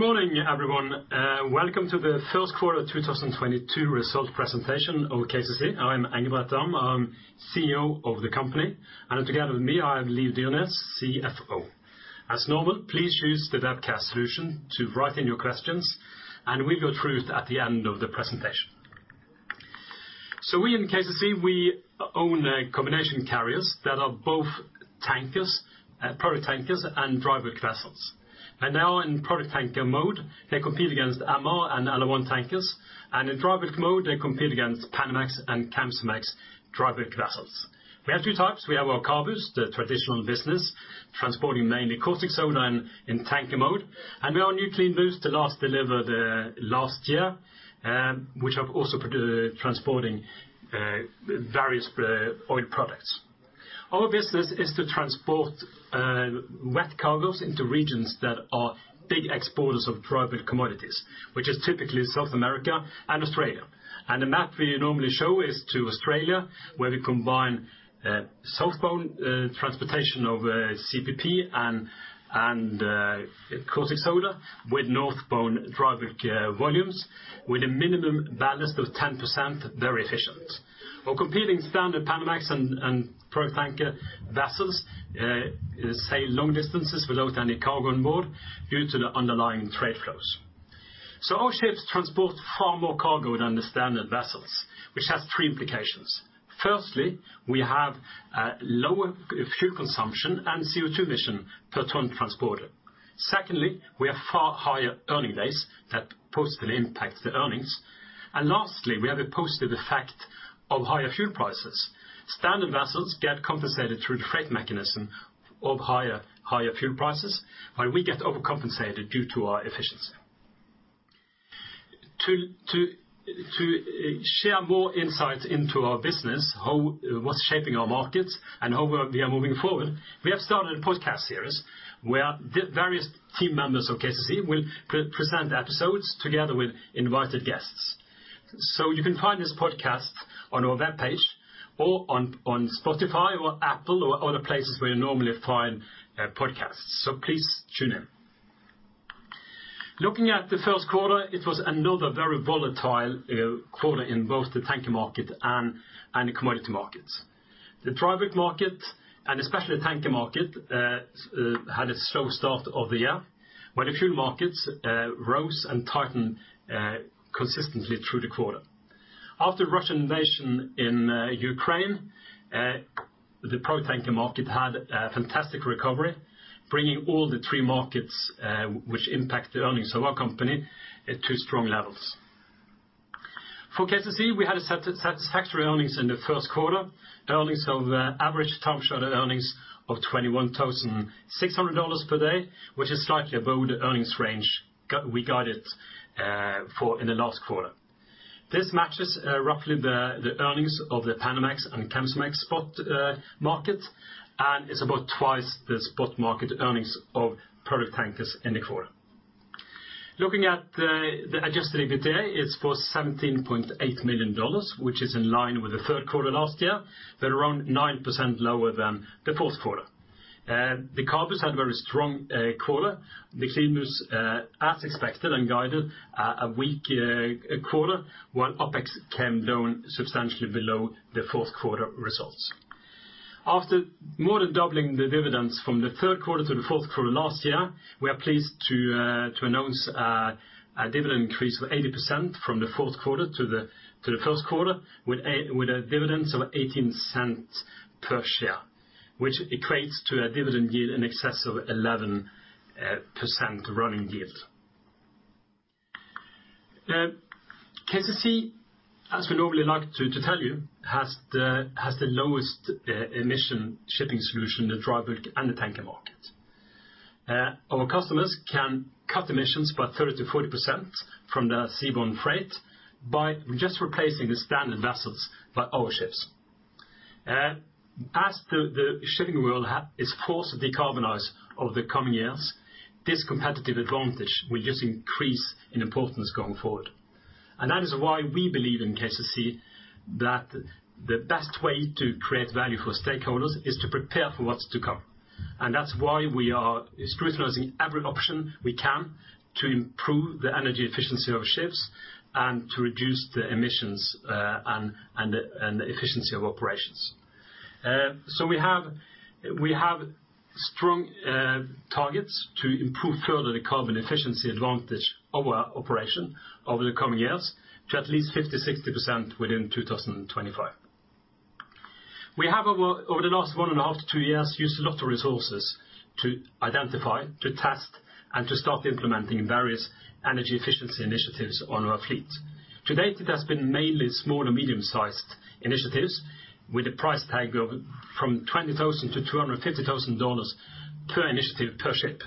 Good morning, everyone. Welcome to the first quarter 2022 result presentation of KCC. I am Engebret Dahm. I'm CEO of the company, and together with me, I have Liv Hege Dyrnes, CFO. As normal, please use the webcast solution to write in your questions, and we'll go through at the end of the presentation. We in KCC, we own combination carriers that are both tankers, product tankers and dry bulk vessels. Now in product tanker mode, they compete against MR and LR1 tankers, and in dry bulk mode, they compete against Panamax and Kamsarmax dry bulk vessels. We have two types. We have our CABUs, the traditional business, transporting mainly caustic soda in tanker mode, and we have our new CLEANBUs delivered last year, which have also transporting various oil products. Our business is to transport wet cargoes into regions that are big exporters of dry commodities, which is typically South America and Australia. The map we normally show is to Australia, where we combine southbound transportation of CPP and caustic soda with northbound dry bulk volumes with a minimum ballast of 10% very efficient. Our competing standard Panamax and product tanker vessels sail long distances without any cargo on board due to the underlying trade flows. Our ships transport far more cargo than the standard vessels, which has three implications. Firstly, we have a lower fuel consumption and CO₂ emission per ton transported. Secondly, we have far higher earning days that positively impact the earnings. Lastly, we have a positive effect of higher fuel prices. Standard vessels get compensated through the freight mechanism of higher fuel prices, while we get overcompensated due to our efficiency. To share more insights into our business, what's shaping our markets and how we are moving forward, we have started a podcast series where various team members of KCC will present episodes together with invited guests. You can find this podcast on our webpage or on Spotify or Apple or other places where you normally find podcasts. Please tune in. Looking at the first quarter, it was another very volatile quarter in both the tanker market and the commodity markets. The dry bulk market, and especially the tanker market, had a slow start of the year, but a few markets rose and tightened consistently through the quarter. After Russian invasion in Ukraine, the product tanker market had a fantastic recovery, bringing all the three markets which impacted earnings of our company to strong levels. For KCC, we had satisfactory earnings in the first quarter, earnings of average time charter earnings of $21,600 per day, which is slightly above the earnings range we guided for in the last quarter. This matches roughly the earnings of the Panamax and Kamsarmax spot market and is about twice the spot market earnings of product tankers in the quarter. Looking at the Adjusted EBITDA, it's $17.8 million, which is in line with the third quarter last year, but around 9% lower than the fourth quarter. The CABUs had very strong quarter. The CLEANBUs, as expected and guided, a weak quarter, while OpEx came down substantially below the fourth quarter results. After more than doubling the dividends from the third quarter to the fourth quarter last year, we are pleased to announce a dividend increase of 80% from the fourth quarter to the first quarter, with a dividend of $0.18 per share, which equates to a dividend yield in excess of 11% running yield. KCC, as we normally like to tell you, has the lowest emission shipping solution in the dry bulk and the tanker market. Our customers can cut emissions by 30%-40% from the seaborne freight by just replacing the standard vessels by our ships. As the shipping world is forced to decarbonize over the coming years, this competitive advantage will just increase in importance going forward. That is why we believe in KCC that the best way to create value for stakeholders is to prepare for what's to come. That's why we are scrutinizing every option we can to improve the energy efficiency of ships and to reduce the emissions, and the efficiency of operations. We have strong targets to improve further the carbon efficiency advantage of our operation over the coming years to at least 50%-60% within 2025. We have over the last one and a half years, two years used a lot of resources to identify, to test, and to start implementing various energy efficiency initiatives on our fleet. To date, it has been mainly small and medium-sized initiatives with a price tag of from $20,000 to $250,000 per initiative per ship.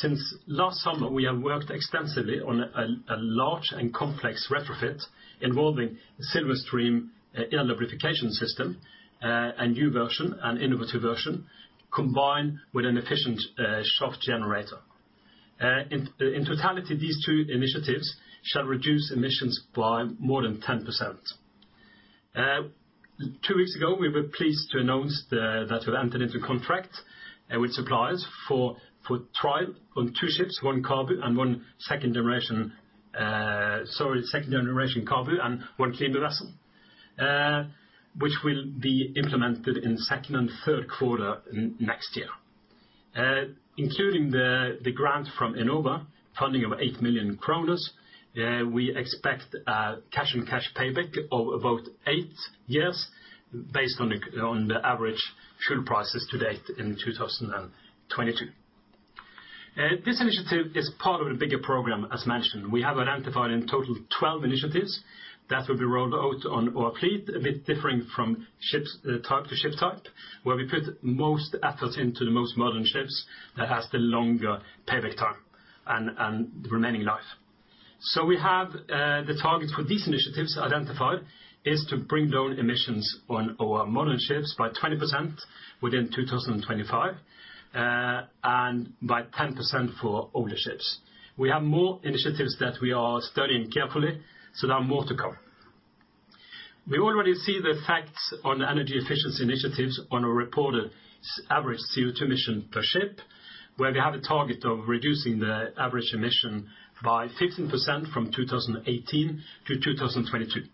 Since last summer, we have worked extensively on a large and complex retrofit involving Silverstream air lubrication system, a new version, an innovative version, combined with an efficient shaft generator. In totality, these two initiatives shall reduce emissions by more than 10%. Two weeks ago, we were pleased to announce that we entered into contract with suppliers for trial on two ships, one CABU and one second generation CABU and one CLEANBU vessel, which will be implemented in second and third quarter next year. Including the grant from Enova, funding of 8 million kroner, we expect cash and cash payback of about eight years based on the average fuel prices to date in 2022. This initiative is part of a bigger program, as mentioned. We have identified in total 12 initiatives that will be rolled out on our fleet, a bit differing from ships, type to ship type, where we put most efforts into the most modern ships that has the longer payback time and remaining life. We have the targets for these initiatives identified is to bring down emissions on our modern ships by 20% within 2025, and by 10% for older ships. We have more initiatives that we are studying carefully, so there are more to come. We already see the effects on the energy efficiency initiatives on our reported CII average CO₂ emission per ship, where we have a target of reducing the average emission by 15% from 2018 to 2022.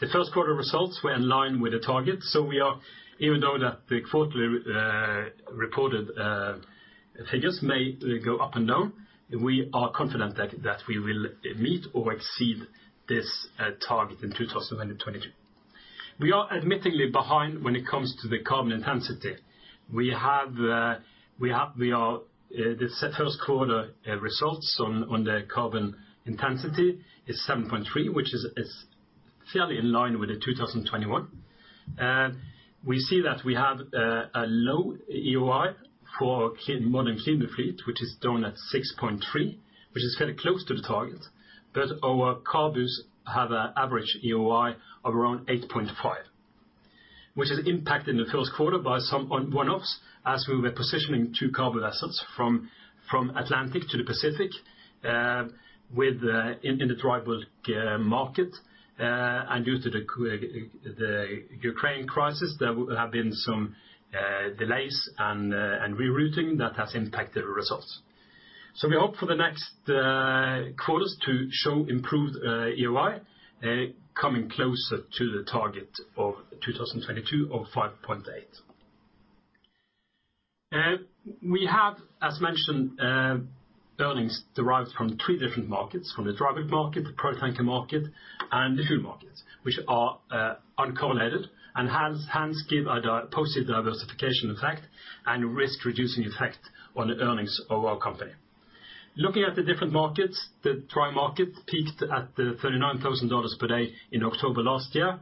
The first quarter results were in line with the target, so we are, even though the quarterly reported figures may go up and down, we are confident that we will meet or exceed this target in 2022. We are admittedly behind when it comes to the carbon intensity. We are the CII first quarter results on the carbon intensity is 7.3, which is fairly in line with 2021. We see that we have a low EEOI for CLEANBU, modern CLEANBU fleet which is down at 6.3, which is fairly close to the target, but our CABUs have a average EEOI of around 8.5, which is impacted in the first quarter by some one-offs as we were positioning two CABU assets from Atlantic to the Pacific in the dry bulk market, and due to the Ukraine crisis, there have been some delays and rerouting that has impacted the results. We hope for the next quarters to show improved EEOI coming closer to the target of 2022 of 5.8. We have, as mentioned, earnings derived from three different markets, from the dry bulk market, the product tanker market, and the fuel market, which are uncorrelated and hence give a positive diversification effect and risk reducing effect on the earnings of our company. Looking at the different markets, the dry market peaked at $39,000 per day in October last year,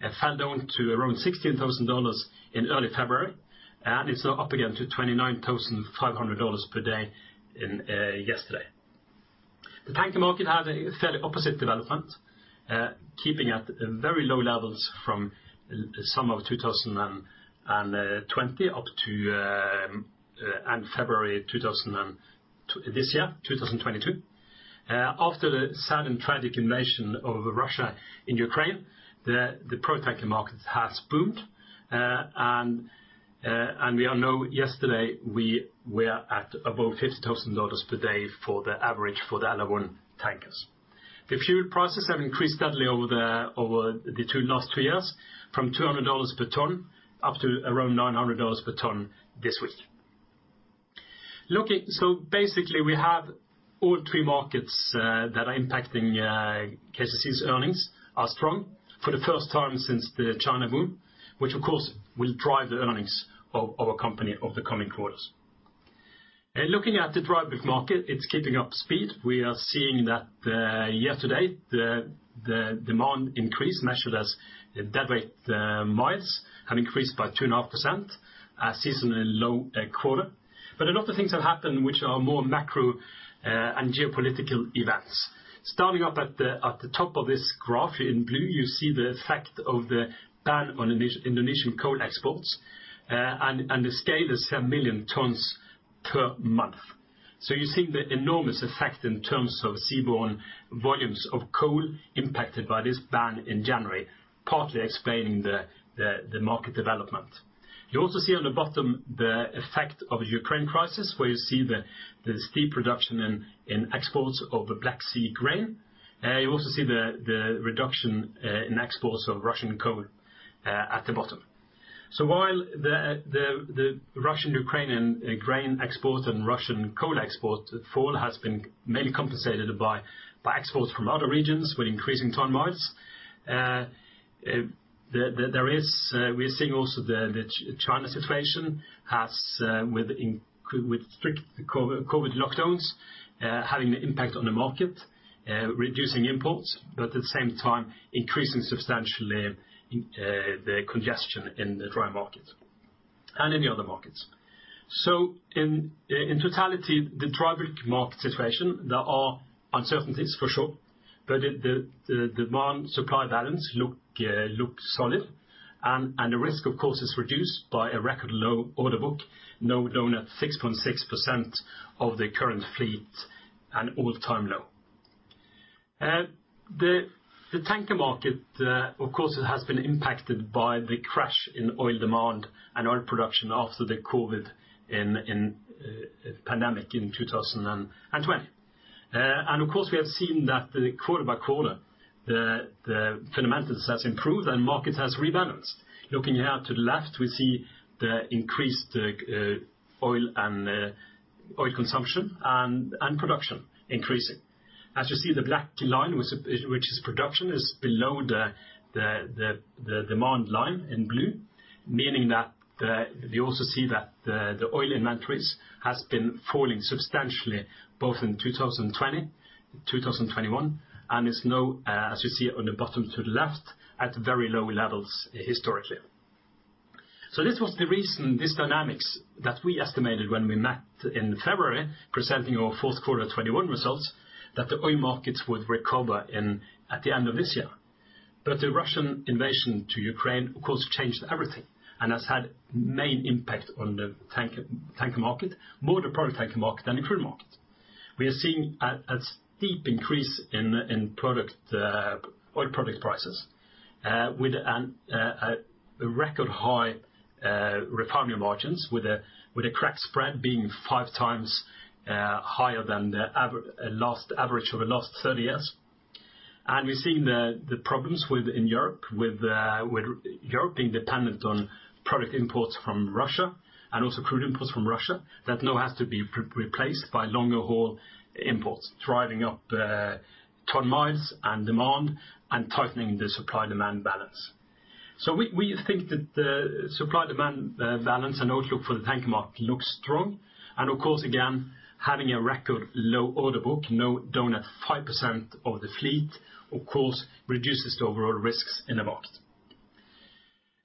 it fell down to around $16,000 in early February, and it's now up again to $29,500 per day yesterday. The tanker market had a fairly opposite development, keeping at very low levels from last summer of 2020 up to February 2022. After the sad and tragic invasion of Russia in Ukraine, the product tanker market has boomed. We all know yesterday we were at above $50,000 per day for the average for the LR1 tankers. The fuel prices have increased steadily over the last two years from $200 per ton up to around $900 per ton this week. So basically we have all three markets that are impacting KCC's earnings are strong for the first time since the China boom, which of course will drive the earnings of our company over the coming quarters. Looking at the dry bulk market, it's keeping up speed. We are seeing that year to date, the demand increase measured as deadweight miles have increased by 2.5%, a seasonally low quarter. A lot of things have happened which are more macro and geopolitical events. Starting at the top of this graph in blue, you see the effect of the ban on Indonesian coal exports, and the scale is 7 million tons per month. You're seeing the enormous effect in terms of seaborne volumes of coal impacted by this ban in January, partly explaining the market development. You also see on the bottom the effect of the Ukraine crisis, where you see the steep reduction in exports of the Black Sea grain. You also see the reduction in exports of Russian coal at the bottom. While the Russian-Ukrainian grain export and Russian coal export fall has been mainly compensated by exports from other regions with increasing ton miles, we are seeing also the China situation has with strict COVID lockdowns having an impact on the market, reducing imports, but at the same time increasing substantially the congestion in the dry market and in the other markets. In totality, the dry bulk market situation, there are uncertainties for sure, but the demand-supply balance looks solid and the risk of glut is reduced by a record low order book, now down at 6.6% of the current fleet and all-time low. The tanker market, of course, it has been impacted by the crash in oil demand and oil production after the COVID-19 pandemic in 2020. Of course, we have seen that the quarter-by-quarter, the fundamentals has improved and market has rebalanced. Looking here to the left, we see the increased oil consumption and production increasing. As you see, the black line, which is production, is below the demand line in blue, meaning that you also see that the oil inventories has been falling substantially both in 2020 and 2021. It's now, as you see on the bottom to the left, at very low levels historically. This was the reason, this dynamics that we estimated when we met in February presenting our fourth quarter 2021 results, that the oil markets would recover at the end of this year. The Russian invasion of Ukraine, of course, changed everything and has had main impact on the tanker market, more the product tanker market than the crude market. We are seeing a steep increase in oil product prices with a record high refinery margins with a crack spread being 5x higher than the last average over the last 30 years. We're seeing the problems within Europe with Europe being dependent on product imports from Russia and also crude imports from Russia that now has to be replaced by longer haul imports, driving up ton miles and demand and tightening the supply-demand balance. We think that the supply-demand balance and outlook for the tanker market looks strong. Of course, again, having a record low order book now down at 5% of the fleet, of course, reduces the overall risks in the market.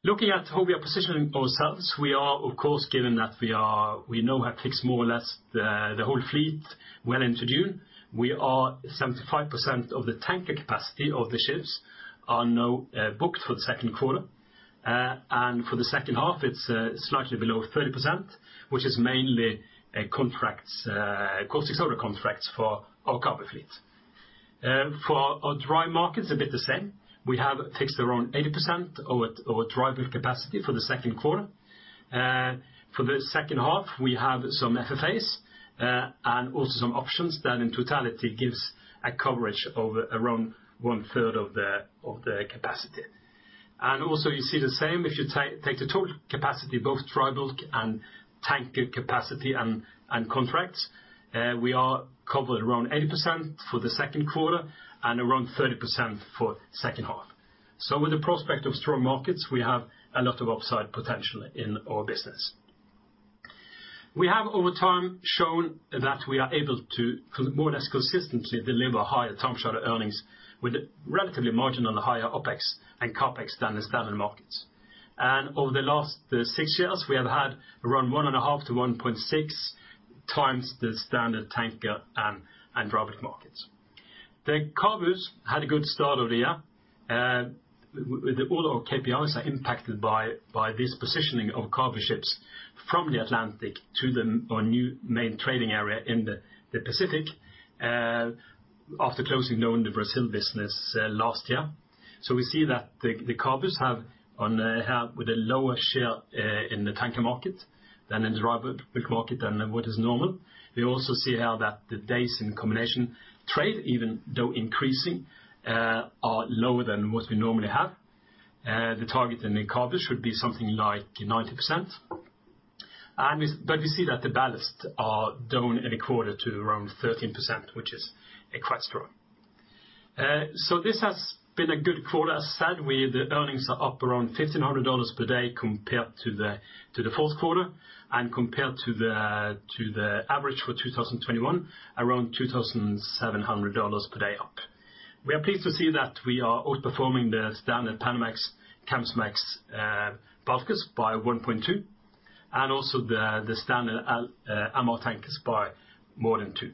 Looking at how we are positioning ourselves, we are, of course, given that we now have fixed more or less the whole fleet well into June. We are 75% of the tanker capacity of the ships are now booked for the second quarter. For the second half, it's slightly below 30%, which is mainly contracts, cost historic contracts for our cargo fleet. For our dry markets, a bit the same. We have fixed around 80% of dry bulk capacity for the second quarter. For the second half, we have some FFAs and also some options that in totality gives a coverage of around 1/3 of the capacity. You see the same if you take the total capacity, both dry bulk and tanker capacity and contracts. We are covered around 80% for the second quarter and around 30% for second half. With the prospect of strong markets, we have a lot of upside potential in our business. We have over time shown that we are able to more or less consistently deliver higher time charter earnings with relatively margin on the higher OpEx and CapEx than the standard markets. Over the last six years, we have had around 1.5 to 1.6 times the standard tanker and product markets. The CABUs had a good start of the year. With all our KPIs are impacted by this positioning of cargo ships from the Atlantic to our new main trading area in the Pacific after closing down the Brazil business last year. We see that the cargos have a lower share in the tanker market than in the dry bulk market than what is normal. We also see that the days in combination trade, even though increasing, are lower than what we normally have. The target in the cargo should be something like 90%. But we see that the ballast are down in the quarter to around 13%, which is quite strong. This has been a good quarter. As said, the earnings are up around $1,500 per day compared to the fourth quarter and compared to the average for 2021, around $2,700 per day up. We are pleased to see that we are outperforming the standard Panamax, Capesize, bulkers by 1.2, and also the standard LR1, MR tankers by more than two.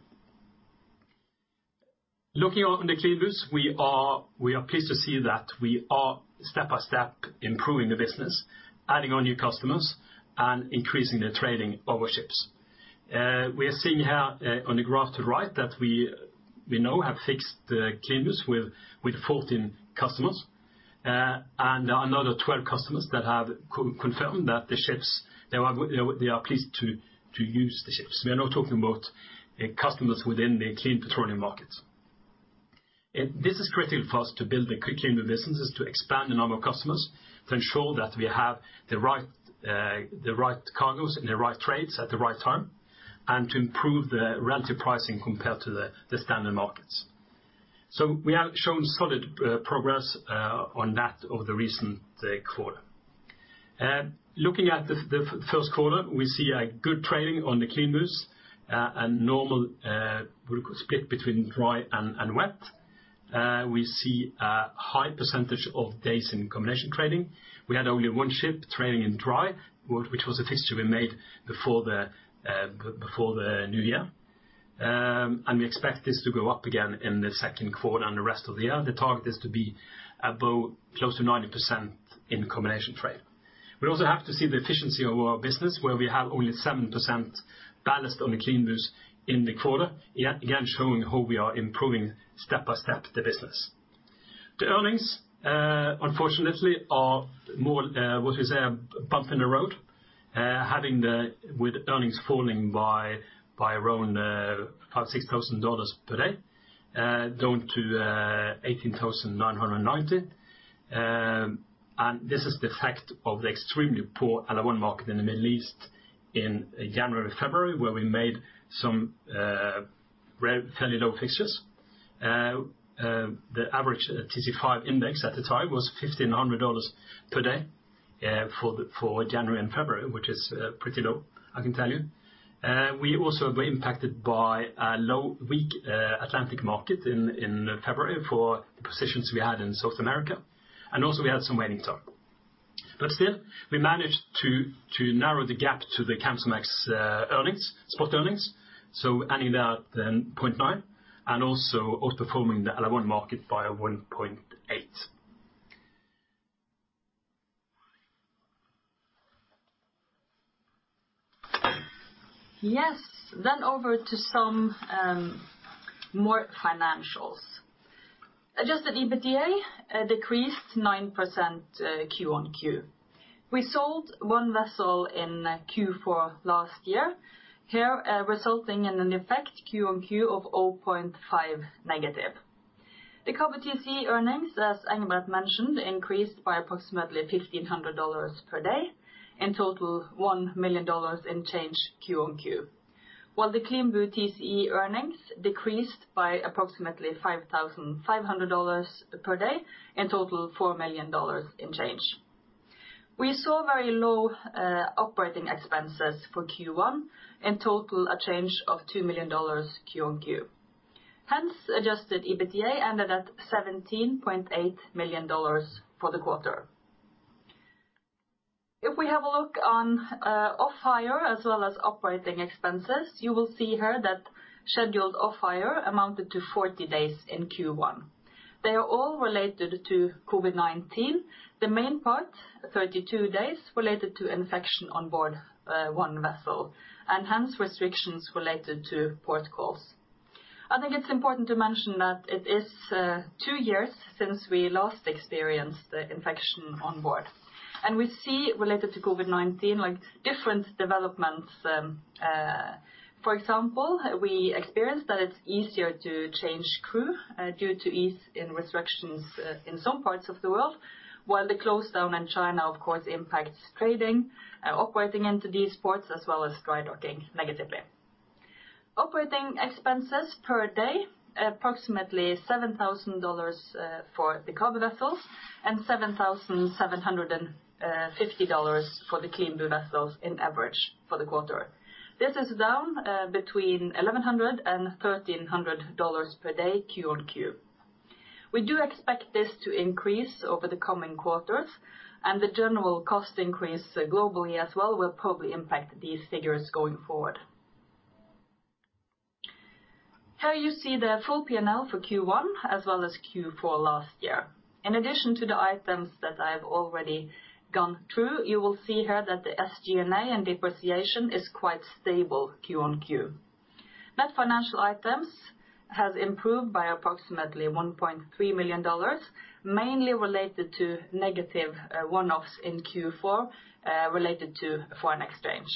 Looking on the CLEANBUs, we are pleased to see that we are step by step improving the business, adding on new customers and increasing the trading of our ships. We are seeing here on the graph to the right that we now have fixed the CLEANBUs with 14 customers. Another 12 customers that have confirmed that they are pleased to use the ships. We are now talking about customers within the clean petroleum markets. This is critical for us to build a clean business, is to expand the number of customers to ensure that we have the right, the right cargoes and the right trades at the right time, and to improve the relative pricing compared to the standard markets. We have shown solid progress on that over the recent quarter. Looking at the first quarter, we see good trading on the CLEANBUs and normal split between dry and wet. We see a high percentage of days in combination trading. We had only one ship trading in dry, which was a decision we made before the new year. We expect this to go up again in the second quarter and the rest of the year. The target is to be above close to 90% in combination trade. We also have to see the efficiency of our business, where we have only 7% ballast on the CLEANBUs in the quarter, again, showing how we are improving step by step the business. The earnings, unfortunately, are more what we say a bump in the road. With earnings falling by around $5,000-$6,000 per day down to $18,990. This is the effect of the extremely poor LR1 market in the Middle East in January, February, where we made some fairly low fixtures. The average TC5 index at the time was $1,500 per day for January and February, which is pretty low, I can tell you. We also were impacted by a low, weak Atlantic market in February for the positions we had in South America, and also we had some waiting time. Still, we managed to narrow the gap to the Kamsarmax earnings, spot earnings. Adding that 10.9, and also outperforming the LR1 market by 1.8. Yes. Over to some more financials. Adjusted EBITDA decreased 9% QoQ. We sold one vessel in Q4 last year, here, resulting in an effect QoQ of -0.5. The CABU TC earnings, as Engebret mentioned, increased by approximately $1,500 per day, in total $1 million in change QoQ. While the CLEANBU TC earnings decreased by approximately $5,500 per day, in total $4 million in change. We saw very low operating expenses for Q1, in total a change of $2 million QoQ. Hence, Adjusted EBITDA ended at $17.8 million for the quarter. If we have a look on off-hire as well as operating expenses, you will see here that scheduled off-hire amounted to 40 days in Q1. They are all related to COVID-19. The main part, 32 days, related to infection on board, one vessel, and hence restrictions related to port calls. I think it's important to mention that it is two years since we last experienced the infection on board. We see related to COVID-19, like different developments, for example, we experienced that it's easier to change crew, due to ease in restrictions, in some parts of the world, while the lockdowns in China, of course, impacts trading, operating into these ports, as well as dry docking negatively. Operating expenses per day, approximately $7,000, for the CABU vessels, and $7,750 for the CLEANBU vessels on average for the quarter. This is down between $1,100 and $1,300 per day QoQ. We do expect this to increase over the coming quarters, and the general cost increase globally as well will probably impact these figures going forward. Here you see the full P&L for Q1, as well as Q4 last year. In addition to the items that I've already gone through, you will see here that the SG&A and depreciation is quite stable QoQ. Net financial items has improved by approximately $1.3 million, mainly related to negative one-offs in Q4, related to foreign exchange.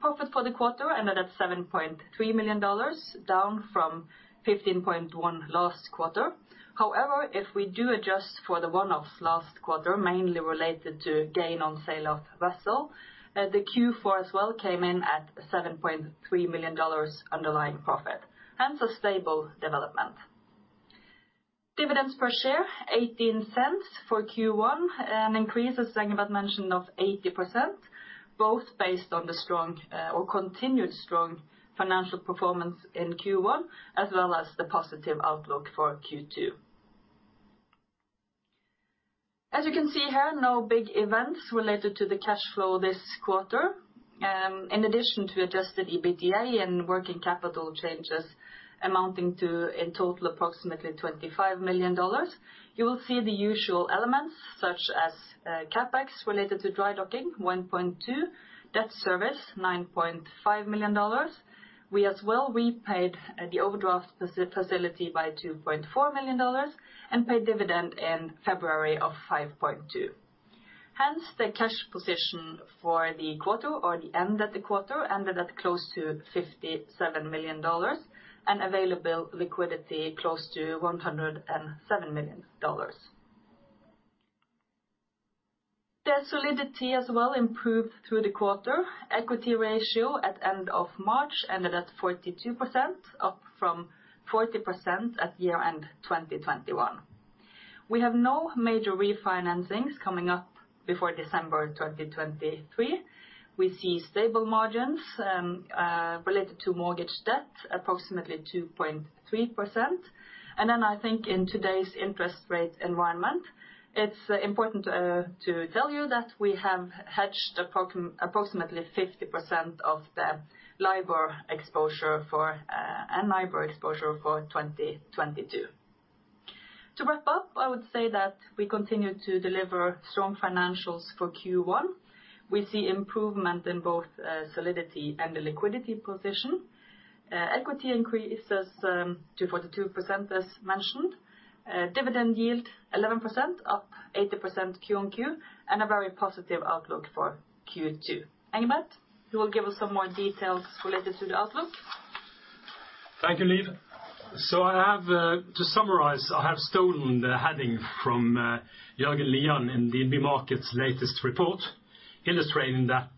Profit for the quarter ended at $7.3 million, down from $15.1 million last quarter. However, if we do adjust for the one-offs last quarter, mainly related to gain on sale of vessel, the Q4 as well came in at $7.3 million underlying profit, hence a stable development. Dividends per share $0.18 for Q1, an increase, as Engebret mentioned, of 80%, both based on the strong, or continued strong financial performance in Q1, as well as the positive outlook for Q2. As you can see here, no big events related to the cash flow this quarter. In addition to Adjusted EBITDA and working capital changes amounting to, in total, approximately $25 million, you will see the usual elements such as, CapEx related https://editor.inflexiontranscribe.com/static/media/icon-play.39003f0a4baacd961cc853b952165cc5.svgto dry docking, $1.2 million, debt service, $9.5 million. We as well repaid, the overdraft facility by $2.4 million and paid dividend in February of $5.2 million. Hence, the cash position for the quarter or the end of the quarter ended at close to $57 million and available liquidity close to $107 million. The solidity as well improved through the quarter. Equity ratio at end of March ended at 42%, up from 40% at year-end 2021. We have no major refinancings coming up before December 2023. We see stable margins related to mortgage debt, approximately 2.3%. I think in today's interest rate environment, it's important to tell you that we have hedged approximately 50% of the LIBOR exposure for 2022. To wrap up, I would say that we continue to deliver strong financials for Q1. We see improvement in both solidity and the liquidity position. Equity increases to 42%, as mentioned. Dividend yield 11%, up 80% QoQ, and a very positive outlook for Q2. Engebret Dahm, who will give us some more details related to the outlook. Thank you, Liv. To summarize, I have stolen the heading from Jørgen Lian in the DNB Markets' latest report, illustrating that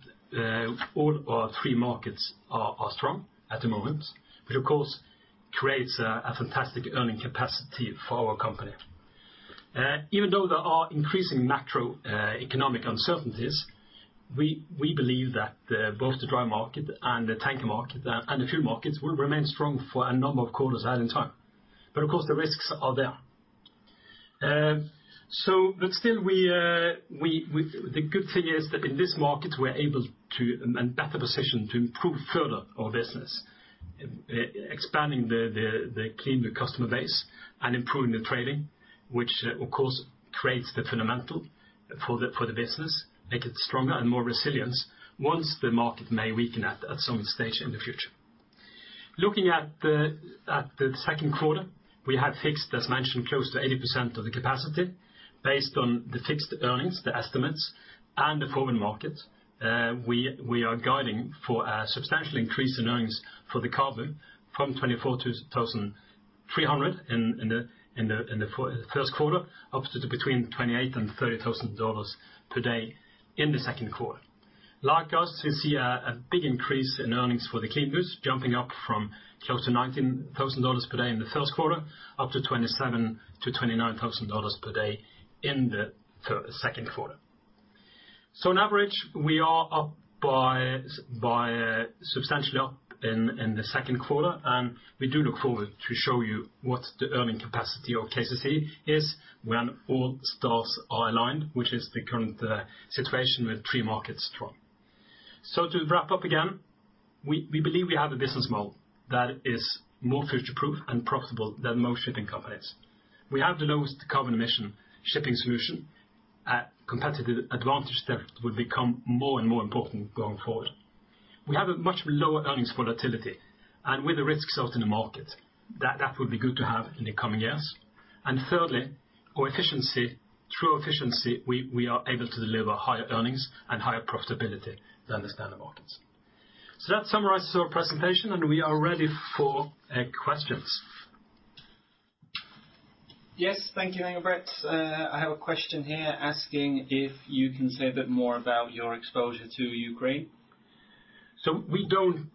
all our three markets are strong at the moment, which of course creates a fantastic earning capacity for our company. Even though there are increasing macroeconomic uncertainties, we believe that both the dry market and the tanker market and the fuel markets will remain strong for a number of quarters ahead in time. Of course, the risks are there. The good thing is that in this market, we're able to and better positioned to improve further our business. Expanding the CLEANBU customer base and improving the trading, which of course creates the fundamental for the business, make it stronger and more resilient once the market may weaken at some stage in the future. Looking at the second quarter, we have fixed, as mentioned, close to 80% of the capacity based on the fixed earnings, the estimates, and the forward markets. We are guiding for a substantial increase in earnings for the CABU from $2,400 to $2,300 in the first quarter, up to between $28,000-$30,000 per day in the second quarter. Likewise, we see a big increase in earnings for the CLEANBUs, jumping up from close to $19,000 per day in the first quarter, up to $27,000-$29,000 per day in the second quarter. On average, we are up by substantially up in the second quarter, and we do look forward to show you what the earning capacity of KCC is when all stars are aligned, which is the current situation with three markets strong. To wrap up again, we believe we have a business model that is more future-proof and profitable than most shipping companies. We have the lowest carbon emission shipping solution at competitive advantage that will become more and more important going forward. We have a much lower earnings volatility, and with the risks out in the market, that would be good to have in the coming years. Thirdly, our efficiency through efficiency, we are able to deliver higher earnings and higher profitability than the standard markets. That summarizes our presentation, and we are ready for questions. Yes. Thank you, Engebret. I have a question here asking if you can say a bit more about your exposure to Ukraine. We don't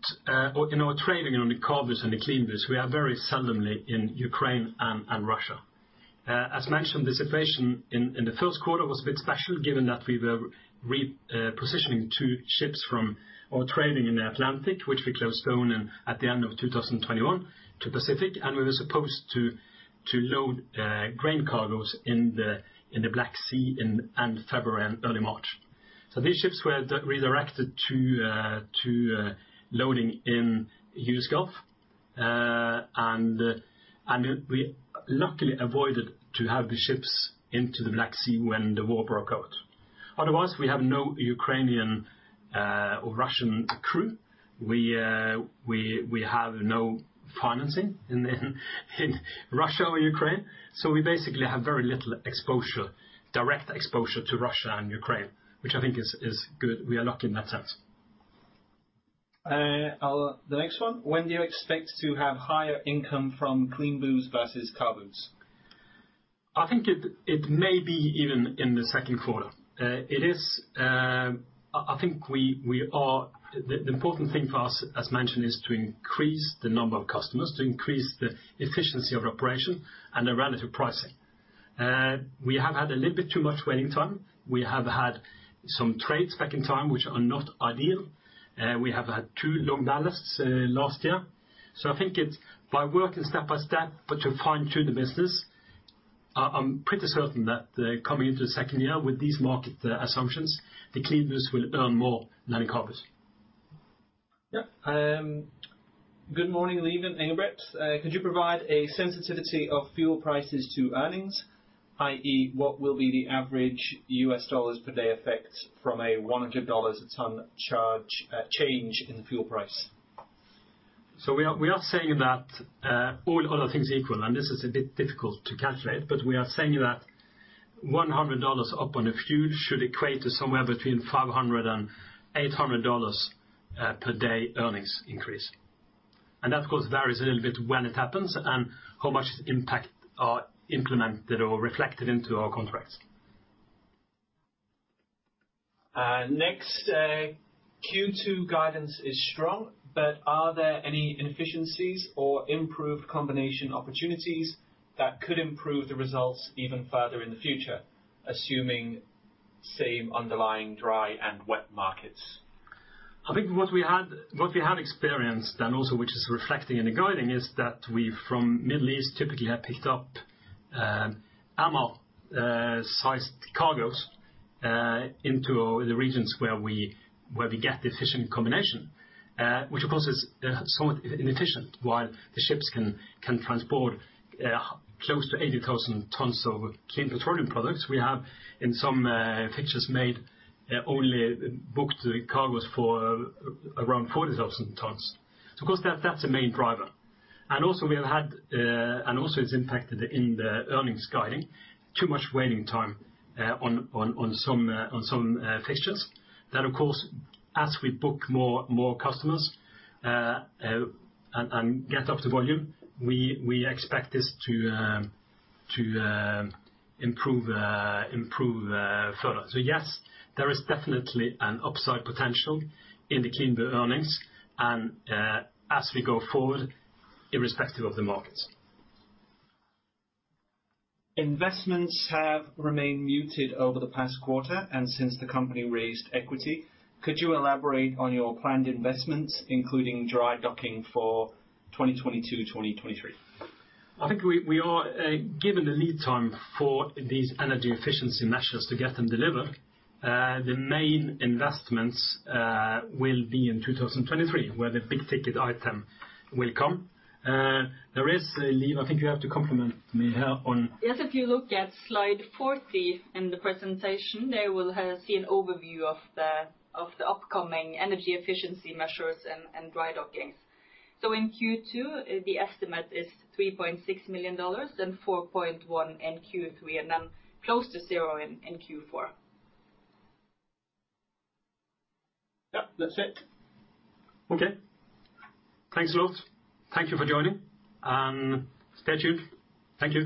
or in our trading on the CABUs and the CLEANBUs, we are very seldomly in Ukraine and Russia. As mentioned, the situation in the first quarter was a bit special, given that we were repositioning two ships from our trading in the Atlantic, which we closed down at the end of 2021 to Pacific, and we were supposed to load grain cargoes in the Black Sea end February and early March. These ships were redirected to loading in U.S. Gulf. And we luckily avoided to have the ships into the Black Sea when the war broke out. Otherwise, we have no Ukrainian or Russian crew. We have no financing in Russia or Ukraine. We basically have very little exposure, direct exposure to Russia and Ukraine, which I think is good. We are lucky in that sense. The next one. When do you expect to have higher income from CLEANBUs versus CABUs? I think it may be even in the second quarter. The important thing for us, as mentioned, is to increase the number of customers, to increase the efficiency of the operation and the relative pricing. We have had a little bit too much waiting time. We have had some trades back in time which are not ideal. We have had two long ballast last year. I think it's by working step by step, but to fine-tune the business, I'm pretty certain that, coming into the second year with these market assumptions, the CLEANBUs will earn more than the CABUs. Good morning, Liv and Engebret. Could you provide a sensitivity of fuel prices to earnings? I.e., what will be the average us dollars per day effect from a $100 a ton change in the fuel price? We are saying that all other things equal, and this is a bit difficult to calculate, but we are saying that $100 up on fuel should equate to somewhere between $500 and $800 per day earnings increase. That, of course, varies a little bit when it happens and how much impact are implemented or reflected into our contracts. Q2 guidance is strong, but are there any inefficiencies or improved combination opportunities that could improve the results even further in the future, assuming same underlying dry and wet markets? I think what we had experienced and also which is reflecting in the guidance is that we from Middle East typically have picked up Aframax sized cargos into the regions where we get the efficient combination. Which of course is somewhat inefficient. While the ships can transport close to 80,000 tons of clean petroleum products, we have in some fixtures only booked the cargos for around 40,000 tons. Of course, that's the main driver. We have had, and it's impacted in the earnings guidance, too much waiting time on some fixtures. Of course, as we book more customers and get up to volume, we expect this to improve further. Yes, there is definitely an upside potential in the CLEANBU earnings and, as we go forward, irrespective of the markets. Investments have remained muted over the past quarter and since the company raised equity. Could you elaborate on your planned investments, including dry docking for 2022, 2023? I think we are, given the lead time for these energy efficiency measures to get them delivered, the main investments, will be in 2023, where the big-ticket item will come. There is a leave. I think you have to compliment me here on- Yes, if you look at slide 40 in the presentation, see an overview of the upcoming energy efficiency measures and dry dockings. In Q2, the estimate is $3.6 million, then $4.1 million in Q3, and then close to zero in Q4. Yeah, that's it. Okay. Thanks a lot. Thank you for joining, and stay tuned. Thank you.